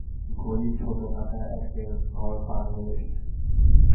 ঘড়ির ছোট কাটা একের ঘর পার হয়ে এসেছে।